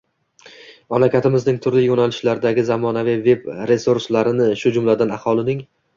mamlakatimizning turli yo'nalishlardagi zamonaviy veb-resurslarini, shu jumladan, aholining